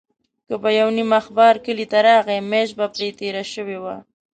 که به یو نیم اخبار کلي ته راغی، میاشت به پرې تېره شوې وه.